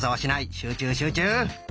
集中集中。